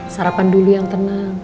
sarapan dulu yang tenang